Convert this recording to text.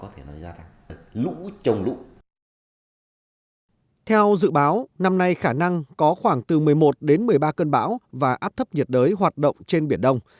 theo dự báo năm nay khả năng có khoảng từ một mươi một đến một mươi ba cơn bão và áp thấp nhiệt đới hoạt động trên biển đông